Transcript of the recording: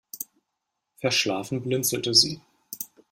Verschlafen blinzelte sie.